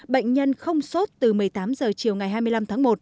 bệnh nhân không sốt từ một mươi tám h chiều ngày hai mươi năm tháng một